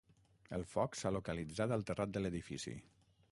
El foc s’ha localitzat al terrat de l’edifici.